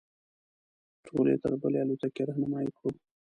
ټول یې تر بلې الوتکې رهنمایي کړو.